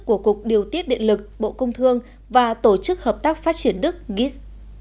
của cục điều tiết điện lực bộ công thương và tổ chức hợp tác phát triển đức gis